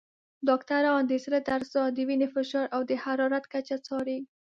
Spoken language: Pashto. ډاکټران د زړه درزا، د وینې فشار، او د حرارت کچه څاري.